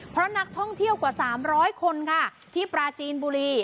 เพราะนักท่องเที่ยวกว่า๓๐๐คนค่ะที่ปราจีนบุรี